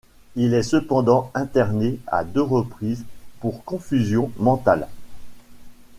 Il est cependant interné à deux reprises pour confusion mentale.